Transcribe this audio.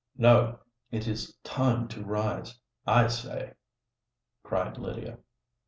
"No:—it is time to rise, I say," cried Lydia.